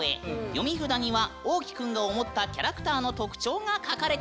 読み札にはおうきくんが思ったキャラクターの特徴が書かれているんだぬん。